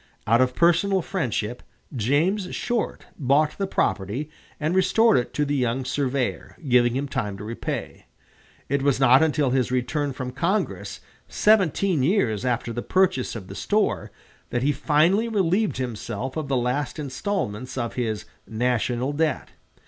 Out of personal friendship, James Short bought the property and restored it to the young surveyor, giving him time to repay. It was not until his return from Congress, seventeen years after the purchase of the store, that he finally relieved himself of the last instalments of his "national debt."